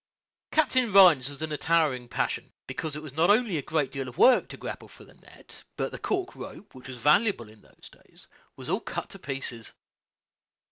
Captain Rhines was in a towering passion, because it was not only a great deal of work to grapple for the net, but the cork rope, which was valuable in those days, was all cut to pieces.